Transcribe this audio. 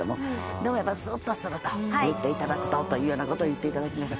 でもやっぱスッとすると言って頂くとというような事を言って頂きました。